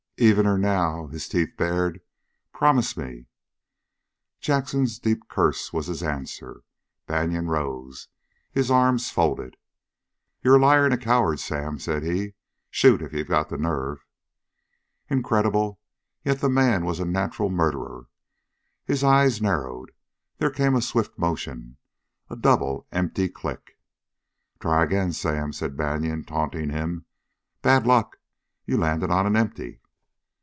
"Evener now!" His teeth bared. "Promise me!" Jackson's deep curse was his answer. Banion rose, his arms folded. "You're a liar and a coward, Sam!" said he. "Shoot, if you've got the nerve!" Incredible, yet the man was a natural murderer. His eye narrowed. There came a swift motion, a double empty click! "Try again, Sam!" said Banion, taunting him. "Bad luck you landed on an empty!"